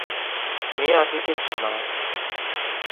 你也要貼貼紙嗎？